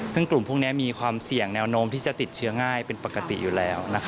ซึ่งกลุ่มพวกนี้มีความเสี่ยงแนวโน้มที่จะติดเชื้อง่ายเป็นปกติอยู่แล้ว